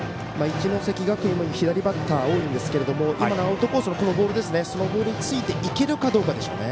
一関学院も左バッターが多いんですけどアウトコースのボールについていけるかどうかでしょうね。